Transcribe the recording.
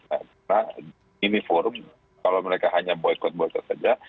karena ini forum kalau mereka hanya boykot boykot saja